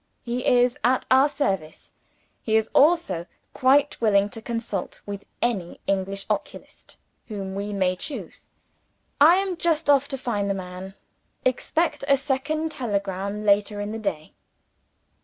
He is at our service. He is also quite willing to consult with any English oculist whom we may choose. I am just off to find the man. Expect a second telegram later in the day."